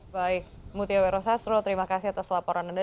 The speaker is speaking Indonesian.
baik mutiawi rosastro terima kasih atas laporan anda